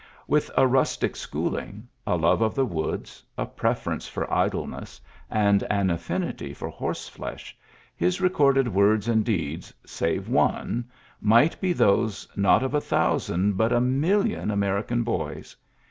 I \Pith a rustic schooling, a love of the ^oodSj a preference for idleness, and an ^^ffinity for horse flesh, his recorded words Y^nd deeds — save one — might be those jt^at of a thousand, but a million Ameri \^D boys.